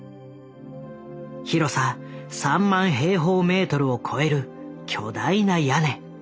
広さ３万平方メートルを超える巨大な屋根。